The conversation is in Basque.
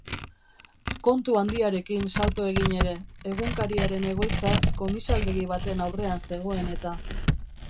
Kontu handiarekin salto egin ere, egunkariaren egoitza komisaldegi baten aurrean zegoen eta.